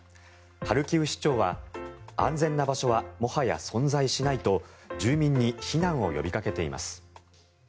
ハルキウ市長は安全な場所はもはや存在しないと住民に避難を呼びかけています。